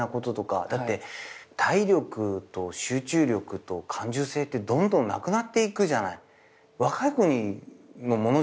だって体力と集中力と感受性ってどんどんなくなっていくじゃない若い子のものじゃない。